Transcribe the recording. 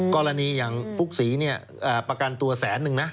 กรณีอย่างฟุกศรีเนี่ยประกันตัวแสนนึงนะ